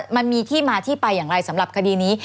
มันมีที่มาที่ไปอย่างไรสำหรับคดีนี้